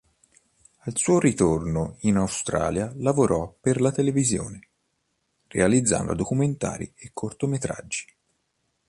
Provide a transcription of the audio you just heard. Al suo ritorno in Australia lavorò per la televisione, realizzando documentari e cortometraggi.